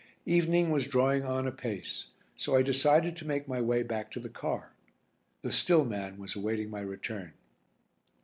Evening was drawing on apace, so I decided to make my way back to the car. The "still" man was awaiting my return.